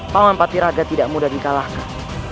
paman patiraga tidak mudah di kalahkan